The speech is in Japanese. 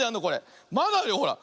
まだあるよほら。